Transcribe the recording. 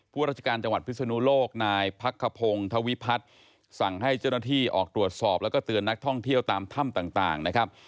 ราชการจังหวัดพิศนุโลกนายพักขพงศ์ธวิพัฒน์สั่งให้เจ้าหน้าที่ออกตรวจสอบแล้วก็เตือนนักท่องเที่ยวตามถ้ำต่างนะครับ